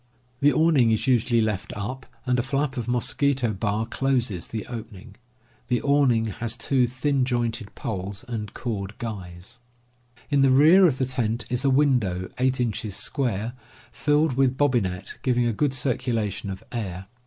The awning is usually left up, and a flap of mosquito bar closes the opening. The awning has two thin jointed poles and cord guys. In the rear of the tent is a window, 8 inches square, filled with bobbinet, giving a good circulation of air.